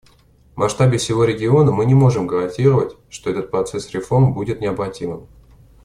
В масштабе всего региона мы не можем гарантировать, что этот процесс реформ будет необратимым.